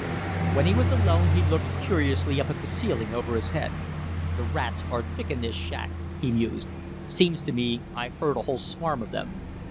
When he was alone he looked curiously up at the ceiling over his head. "The rats are thick in this shack," he mused. "Seems to me I heard a whole swarm of them."